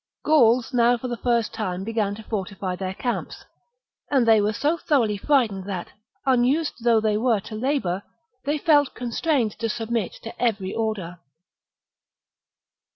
Gauls now for the first time began to fortify their camps ; and they were so thoroughly frightened that, unused though they were to labour, they felt constrained to submit to every order.